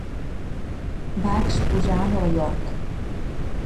Va exposar a Nova York.